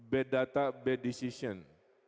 bad data bad decision